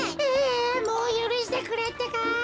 もうゆるしてくれってか。